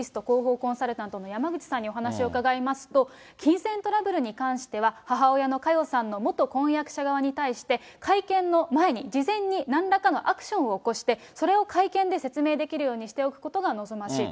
イースト広報コンサルタントの山口さんにお話を伺いますと、金銭トラブルに関しては、母親の佳代さんの元婚約者側に対して、会見の前に、事前になんらかのアクションを起こして、それを会見で説明できるようにしておくことが望ましいと。